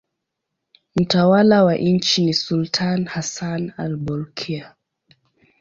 Mtawala wa nchi ni sultani Hassan al-Bolkiah.